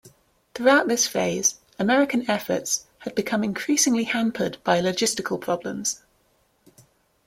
Throughout this phase, American efforts had become increasingly hampered by logistical problems.